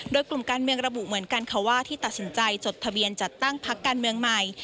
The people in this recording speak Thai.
โดยกลุ่มการเมืองระบุเหมือนกันค่ะว่าที่ตัดสินใจจดทะเบียนจัดตั้งพักการเมืองใหม่